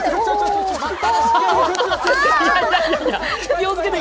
気をつけて！